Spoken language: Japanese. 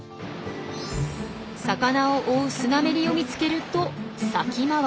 魚を追うスナメリを見つけると先回り。